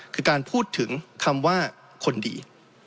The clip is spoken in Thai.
คือการพูดถึงคำว่าคนดี